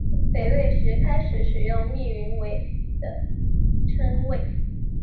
北魏时开始使用密云为的称谓。